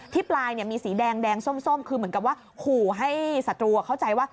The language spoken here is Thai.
ปลายมีสีแดงส้มคือเหมือนกับว่าขู่ให้ศัตรูเข้าใจว่า